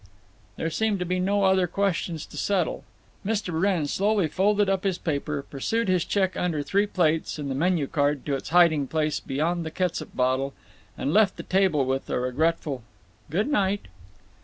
There seemed to be no other questions to settle. Mr. Wrenn slowly folded up his paper, pursued his check under three plates and the menu card to its hiding place beyond the catsup bottle, and left the table with a regretful "Good night."